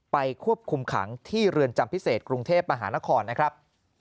ควบคุมขังที่เรือนจำพิเศษกรุงเทพมหานครนะครับ